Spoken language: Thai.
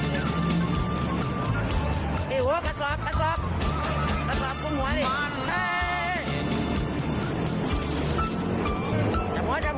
เฮ้จับหัวจับหัวจับหัวเอ้จริงจริงจริง